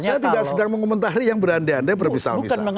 saya tidak sedang mengomentari yang berande ande bermisal misal